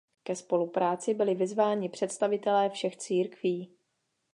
Ke spolupráci byli vyzváni představitelé všech církví.